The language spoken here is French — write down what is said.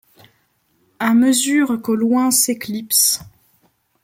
À mesure qu’au loin s’éclipse